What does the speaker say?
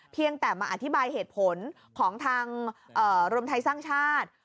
เพียงแต่มาอธิบายเหตุผลของทางรวมไทยสร้างชาติ